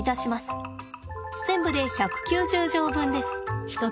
全部で１９０錠分です。